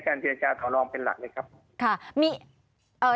ผมตริงใจใช้การเจรจาต่อรองเป็นหลักเลยครับ